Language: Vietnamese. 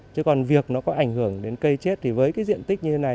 chứ còn việc nó có ảnh hưởng đến cây chết thì với cái diện tích như thế này